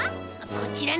こちらの！